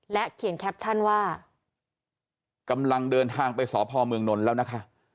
และเขียนแคปชั่นว่ากำลังเดินทางไปสอบภอมเมืองนลแล้วนะคะ